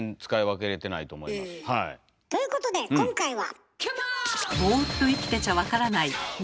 ということで今回は。